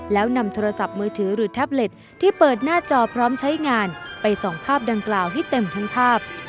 แล้วนำโทรศัพท์มือถือหรือแท็บเล็ตที่เปิดหน้าจอพร้อมใช้งานไปส่องภาพดังกล่าวให้เต็มทั้งภาพ